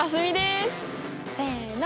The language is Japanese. せの。